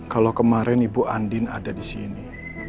kalau kemarin ibu andieng ada disini